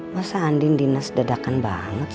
masa andin dinas dadakan banget